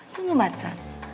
tunggu ma can